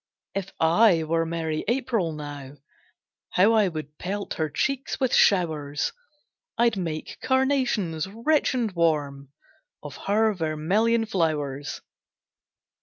If I were merry April now, How I would pelt her cheeks with showers; I'd make carnations, rich and warm, Of her vermilion flowers.